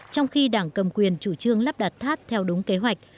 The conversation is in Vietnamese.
trong khi đảng cầm quyền chủ trương lắp đặt tháp theo đúng kế hoạch